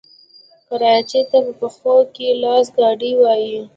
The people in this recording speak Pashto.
کراچۍ ته په پښتو کې لاسګاډی وايي.